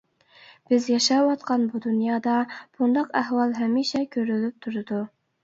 بىز ياشاۋاتقان بۇ دۇنيادا بۇنداق ئەھۋال ھەمىشە كۆرۈلۈپ تۇرىدۇ.